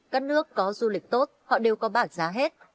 các nước có du lịch tốt họ đều có bảng giá hết